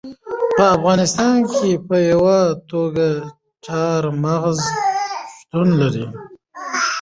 په افغانستان کې په پوره توګه چار مغز شتون لري.